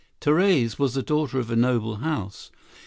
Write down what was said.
Therese was the daughter of a noble house.